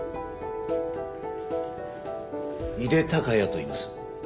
井手孝也といいます。